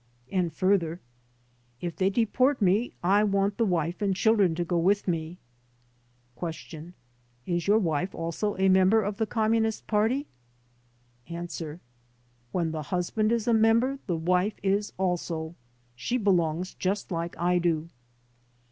And further: "If they deport me I want the wife and children to go with me." Q. "Is your wife also a member of the Communist Party? A. "When the husband is a member the wife is also. She belongs just like I do."